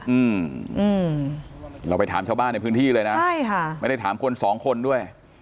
อืมเราไปถามชาวบ้านในพื้นที่เลยนะใช่ค่ะไม่ได้ถามคนสองคนด้วย